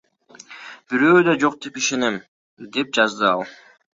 Бирөө да жок деп ишенем, — деп жазды ал.